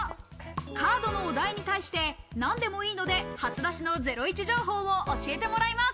カードのお題に対して何でもいいので初出しのゼロイチ情報を教えてもらいます。